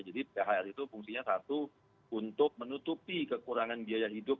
jadi thr itu fungsinya satu untuk menutupi kekurangan biaya hidup